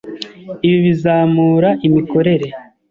Ibi bizamura imikorere.